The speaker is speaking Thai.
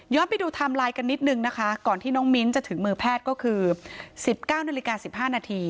ไปดูไทม์ไลน์กันนิดนึงนะคะก่อนที่น้องมิ้นจะถึงมือแพทย์ก็คือ๑๙นาฬิกา๑๕นาที